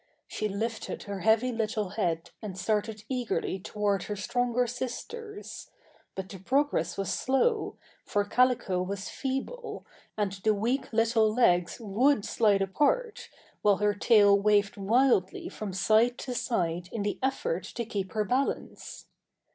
She lifted her heavy little head and started eagerly toward her stronger sisters; but the progress was slow, for Calico was feeble, and the weak little legs would slide apart, while her tail waved wildly from side to side in the effort to keep her balance.